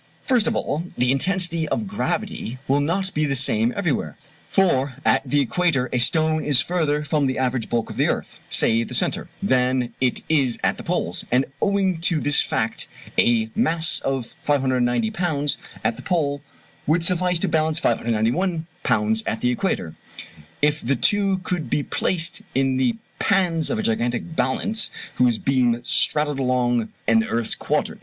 First of all, the intensity of gravity will not be the same everywhere; for at the equator a stone is further from the average bulk of the earth (say the centre) than it is at the poles, and owing to this fact a mass of 590 pounds at the pole; would suffice to balance 591 pounds at the equator, if the two could be placed in the pans of a gigantic balance whose beam straddled along an earth's quadrant.